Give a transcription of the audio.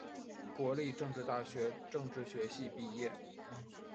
国立政治大学政治学系毕业。